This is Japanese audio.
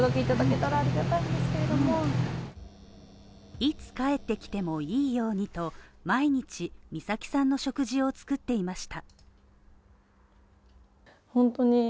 いつ帰ってきてもいいようにと、毎日、美咲さんの食事を作っていました。